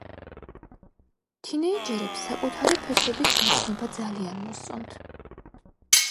თინეიჯერებს საკუთარი ფესვების გაცნობა ძალიან მოსწონთ.